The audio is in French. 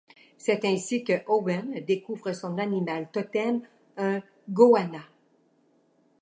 C’est ainsi que Owen découvre son animal Totem, un Goanna.